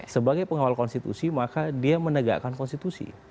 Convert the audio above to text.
sebagai pengawal konstitusi maka dia menegakkan konstitusi